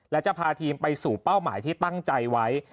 และจะพาทีมไปสู่เป้าหมายที่ตั้งใจไว้